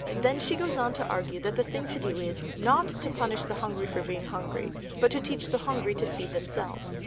Then she goes on to argue that the thing to do is "not to punish the hungry for being hungry, but to teach the hungry to feed themselves."